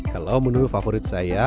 kalau menurut favorit saya